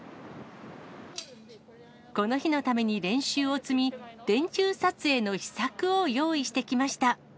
この日のために練習を積み、電柱撮影の秘策を用意してきました。